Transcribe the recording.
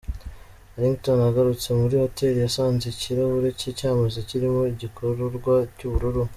Harrington agarutse muri hoteli yasanze ikirahuri cye cy’amazi kirimo igikororwa cy’ubururu.